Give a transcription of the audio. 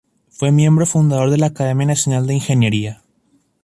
Fue miembro fundador de la Academia Nacional de Ingeniería.